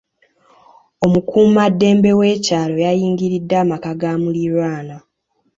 Omukuumaddembe w'ekyalo yayingiridde amaka ga muliraanwa.